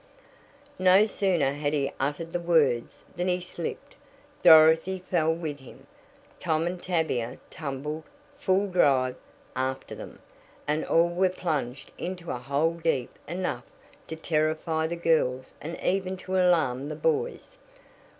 No sooner had he uttered the words than he slipped, Dorothy fell with him, Tom and Tavia tumbled, full drive, after them, and all were plunged into a hole deep enough to terrify the girls and even to alarm the boys.